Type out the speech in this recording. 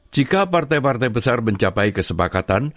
jika partai partai besar mencapai kesepakatan